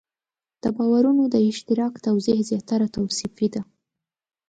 د باورونو د اشتراک توضیح زیاتره توصیفي ده.